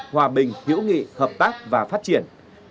hòa bình hiểu nghị hợp tác và phát triển